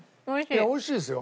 いやおいしいですよ。